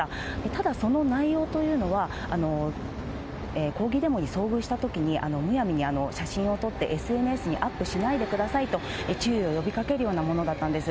ただ、その内容というのは、抗議デモに遭遇したときに、むやみに写真を撮ってＳＮＳにアップしないでくださいと注意を呼びかけるようなものだったんです。